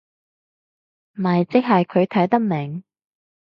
咪即係佢睇得明